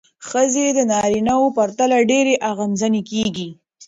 ښځې د نارینه وو پرتله ډېرې اغېزمنې کېږي.